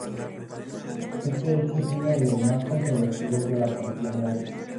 Este hecho es uno de los más controvertidos de la contienda.